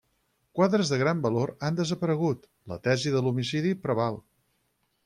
Quadres de gran valor han desaparegut, la tesi de l'homicidi preval.